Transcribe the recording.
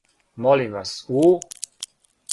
Молим вас, у?